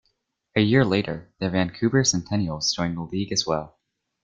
A year later, the Vancouver Centennials joined the league as well.